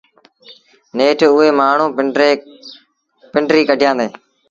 نيٺ اُئي مآڻهوٚٚݩ پنڊريٚ ڪڍيآݩدي